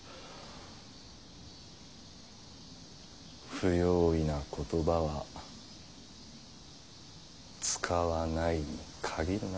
不用意な言葉は使わないに限るな。